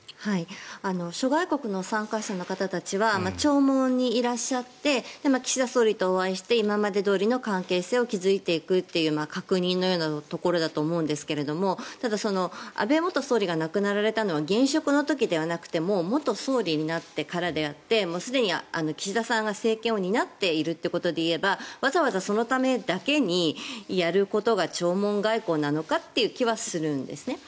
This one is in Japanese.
諸外国の参加者の方たちは弔問にいらっしゃって岸田総理とお会いして今までどおりの関係性を築いていくという確認だと思うんですがただ、安倍元総理が亡くなられたのは現職の時ではなくてもう元総理になってからであってすでに岸田さんが政権を担っているということでいえばわざわざそのためだけにやることが弔問外交なのかっていう気はするんですね。